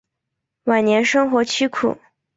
晚年生活凄苦。